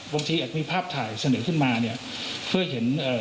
แอบมีภาพถ่ายเสนอขึ้นมาเนี่ยเพื่อเห็นเอ่อ